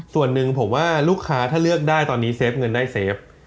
ส่วนหนึ่งผมว่าลูกค้าถ้าเลือกได้ตอนนี้เซฟเงินได้เซฟ